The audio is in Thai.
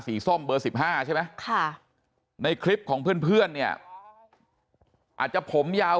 ส้มเบอร์๑๕ใช่ไหมในคลิปของเพื่อนเนี่ยอาจจะผมยาว